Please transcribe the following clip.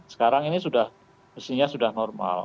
sekarang ini sudah mestinya sudah normal